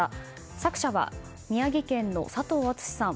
作者は宮城県の佐藤厚志さん。